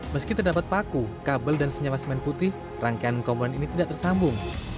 meski terdapat paku kabel dan senyawa semen putih rangkaian komponen ini tidak tersambung